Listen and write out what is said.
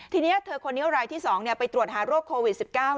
ทีนี้เธอคนนี้รายที่๒ไปตรวจหาโรคโควิด๑๙